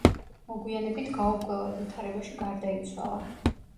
მოგვიანებით გაურკვეველ ვითარებაში გარდაიცვალა.